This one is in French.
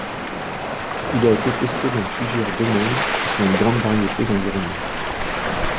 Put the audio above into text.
Il a été testé dans plusieurs domaines et sur une grande variété d'environnements.